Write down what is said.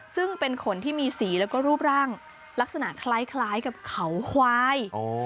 ซึ่งเป็นขนที่มีสีแล้วก็รูปร่างลักษณะคล้ายกับเขาควาย